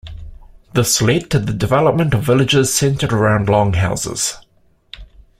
This led to the development of villages centred around longhouses.